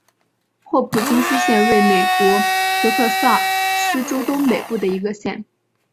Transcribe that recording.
霍普金斯县位美国德克萨斯州东北部的一个县。